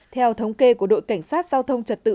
theo thống kê của đội cảnh sát giao thông trật tự